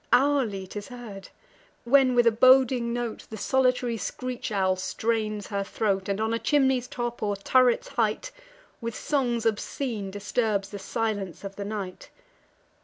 Hourly 'tis heard, when with a boding note The solitary screech owl strains her throat, And, on a chimney's top, or turret's height, With songs obscene disturbs the silence of the night.